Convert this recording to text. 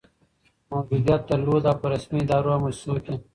موجودیت درلود، او په رسمي ادارو او مؤسسو کي